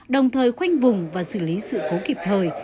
đồng thời khoanh vùng và xử lý sự cố kịp thời